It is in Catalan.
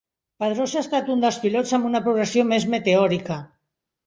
Pedrosa ha estat un dels pilots amb una progressió més meteòrica.